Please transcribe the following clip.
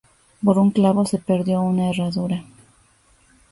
Por un clavo se perdió una herradura